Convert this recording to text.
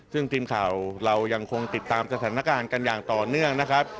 ซึ่งทีมข่าวเรายังคงติดตามสถานการณ์กันอย่างต่อเนื่องนะครับ